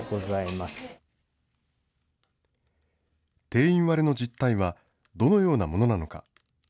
定員割れの実態は、どのようなものなのか。